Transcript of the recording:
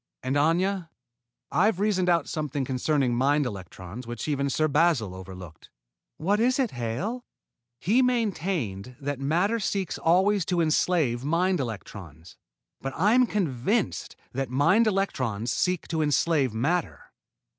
"And, Aña, I've reasoned out something concerning mind electrons which even Sir Basil overlooked." "What is it, Hale?" "He maintained that matter seeks always to enslave mind electrons, but I am convinced that mind electrons seek to enslave matter.